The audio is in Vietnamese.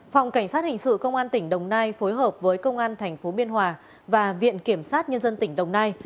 phòng cảnh sát hình sự công an tỉnh đồng nai phối hợp với công an tp biên hòa và viện kiểm sát nhân dân tỉnh đồng nai